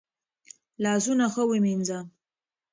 لاسونه ښه ومینځه.